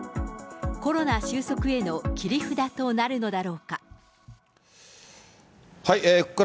コロナ収束への切り札となるのだろうか。